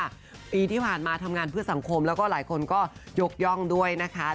ปีที่ผ่านมาทำงานเพื่อสังคมแล้วก็หลายคนก็ยกย่องด้วยนะคะ